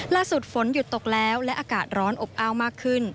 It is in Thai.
ฝนหยุดตกแล้วและอากาศร้อนอบอ้าวมากขึ้น